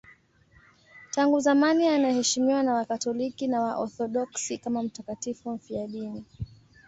Tangu zamani anaheshimiwa na Wakatoliki na Waorthodoksi kama mtakatifu mfiadini.